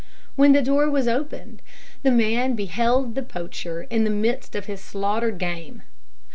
When the door was opened, the man beheld the poacher in the midst of his slaughtered game.